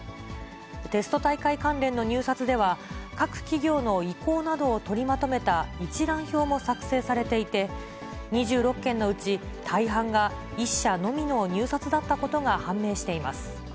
テスト大会関連の入札では、各企業の意向などを取りまとめた一覧表も作成されていて、２６件のうち、大半が１社のみの入札だったことが判明しています。